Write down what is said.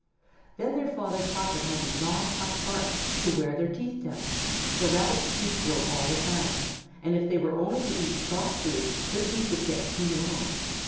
Then their father taught them how to gnaw tough bark to wear their teeth down, for Rabbits' teeth grow all the time, and if they were to eat only soft food, their teeth would get too long.